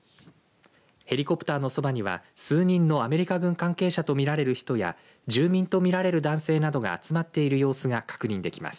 ヘリコプターのそばには数人のアメリカ軍関係者とみられる人や住民とみられる男性などが集まっている様子が確認できます。